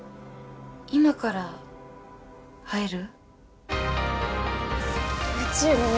今から会える？